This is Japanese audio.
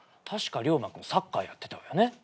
確かサッカーやってたわね。